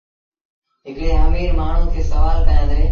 هڪڙي اميٚر مآڻهوٚٚݩ کي سوآل ڪيآݩديٚ